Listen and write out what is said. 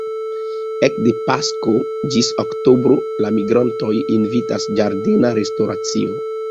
Ekde pasko ĝis oktobro la migrantojn invitas ĝardena restoracio.